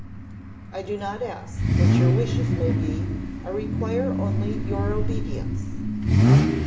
"'I do not ask what your wishes may be; I require only your obedience.